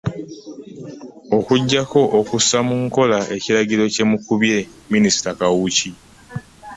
Okuggyako okussa mu nkola ekiragiro kye mukubye.” Minisita Kawuki.